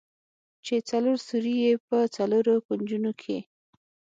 چې څلور سوري يې په څلورو کونجونو کښې.